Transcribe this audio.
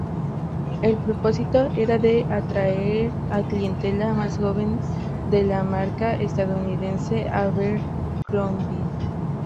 El propósito era de atraer a clientela más joven de la marca estadounidense Abercrombie.